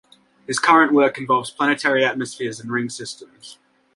His current work involves planetary atmospheres and ring systems.